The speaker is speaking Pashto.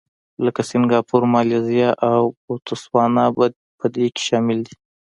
لکه سینګاپور، مالیزیا او بوتسوانا په دې کې شامل دي.